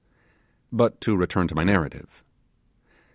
But to return to my narrative.